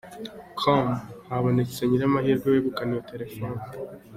com habonetse nyiramahirwe wegukana iyo telefone.